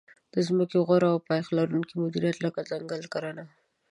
د ځمکې غوره او پایښت لرونکې مدیریت لکه ځنګل کرنه.